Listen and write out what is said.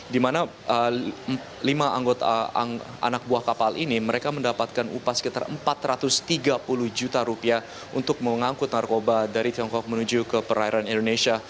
di mana lima anggota anak buah kapal ini mereka mendapatkan upah sekitar empat ratus tiga puluh juta rupiah untuk mengangkut narkoba dari tiongkok menuju ke perairan indonesia